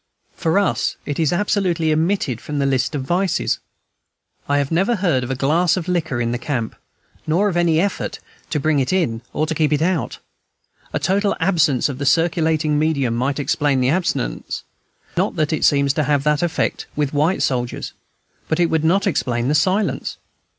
For us it is absolutely omitted from the list of vices. I have never heard of a glass of liquor in the camp, nor of any effort either to bring it in or to keep it out. A total absence of the circulating medium might explain the abstinence, not that it seems to have that effect with white soldiers, but it would not explain the silence.